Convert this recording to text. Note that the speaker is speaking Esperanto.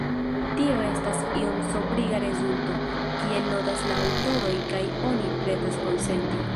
Tio estas iom sobriga rezulto, kiel notas la aŭtoroj, kaj oni pretas konsenti.